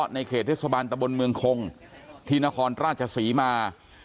ในเขตธิสบันตะบลเมืองคงที่นครราชสีมา